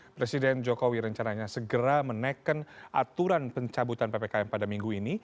presiden jokowi rencananya segera menaikkan aturan pencabutan ppkm pada minggu ini